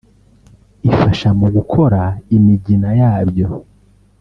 ifasha mu gukora imigina yabyo